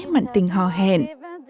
mặn tình hò hẹn